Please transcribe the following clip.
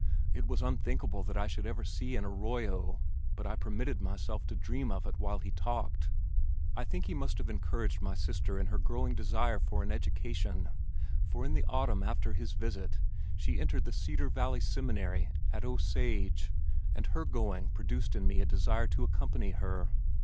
It was unthinkable that I should ever see an arroyo but I permitted myself to dream of it while he talked. I think he must have encouraged my sister in her growing desire for an education, for in the autumn after his visit she entered the Cedar Valley Seminary at Osage and her going produced in me a desire to accompany her.